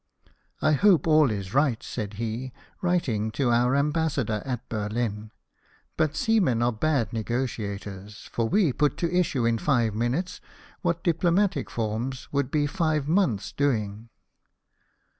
" I hope all is right," said he, writing to our Ambas sador at Berlin ;" but seamen are but bad negotiator?, for we put to issue in five minutes what diplomatic forms would be five months doing."